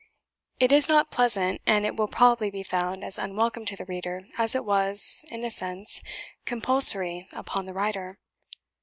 It is not pleasant, and it will probably be found as unwelcome to the reader, as it was, in a sense, compulsory upon the writer.